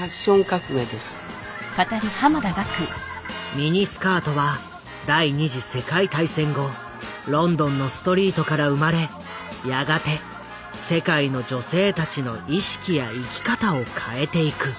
ミニスカートは第２次世界大戦後ロンドンのストリートから生まれやがて世界の女性たちの意識や生き方を変えていく。